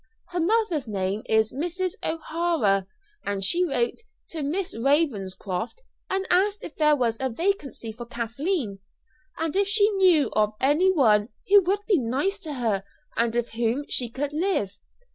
Her mother's name is Mrs. O'Hara, and she wrote to Miss Ravenscroft and asked if there was a vacancy for Kathleen, and if she knew of any one who would be nice to her and with whom she could live.